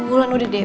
aduh bulan udah deh